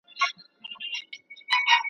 جهاني خپل جنون له ښاره بې نصیبه کړلم !.